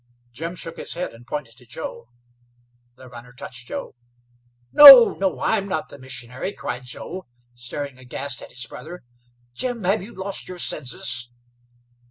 Jim shook his head and pointed to Joe. The runner touched Joe. "No, no. I am not the missionary," cried Joe, staring aghast at his brother. "Jim, have you lost your senses?"